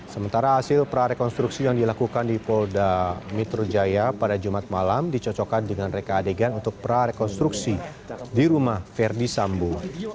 sementara hasil prarekonstruksi yang dilakukan di polda metro jaya pada jumat malam dicocokkan dengan reka adegan untuk prarekonstruksi di rumah verdi sambo